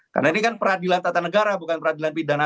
karena ini kan peradilan tata negara bukan peradilan pidana